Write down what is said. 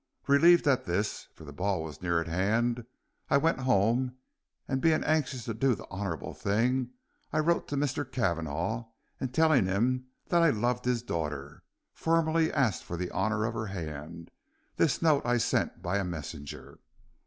Relieved at this, for the ball was near at hand, I went home, and being anxious to do the honorable thing, I wrote to Mr. Cavanagh, and, telling him that I loved his daughter, formally asked for the honor of her hand. This note I sent by a messenger.